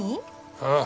ああ。